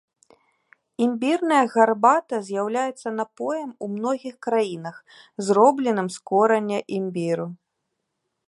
Імбірная гарбата з'яўляецца напоем ў многіх краінах, зробленым з кораня імбіру.